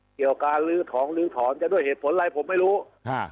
เกี่ยวการลื้อถอนลื้อถอนจะด้วยเหตุผลอะไรผมไม่รู้ฮะ